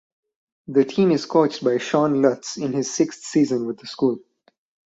The team is coached by Shawn Lutz in his sixth season with the school.